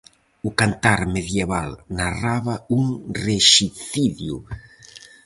O cantar medieval narraba un rexicidio.